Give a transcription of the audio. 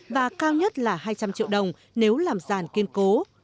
và cao nhất là hai trăm linh triệu đồng nếu làm giàn kiên cố